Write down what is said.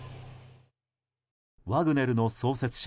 ワグネルの創始者